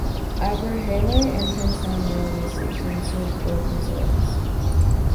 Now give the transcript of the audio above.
Abergele and Pensarn railway station serves both resorts.